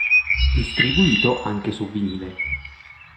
Distribuito anche su vinile.